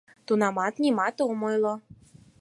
Тунамат нимат ом ойло.